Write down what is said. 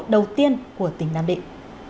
đầu tiên của tỉnh nam định